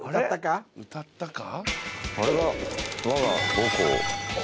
歌ったか？